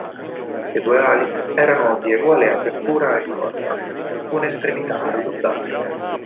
Le due ali erano di eguale apertura e corda, con estremità arrotondate.